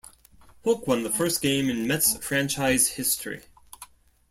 Hook won the first game in Mets franchise history.